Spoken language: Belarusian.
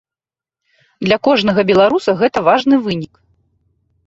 Для кожнага беларуса гэта важны вынік.